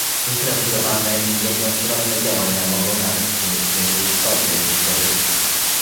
Improwizowane i jednostronne działania mogą nawet przynieść więcej szkody niż pożytku